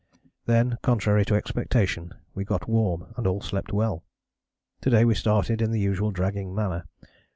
Then, contrary to expectation, we got warm and all slept well. To day we started in the usual dragging manner.